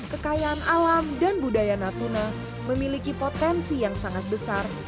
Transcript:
kekayaan alam dan budaya natuna memiliki potensi yang sangat besar